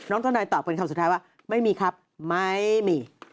ทนายตอบเป็นคำสุดท้ายว่าไม่มีครับไม่มี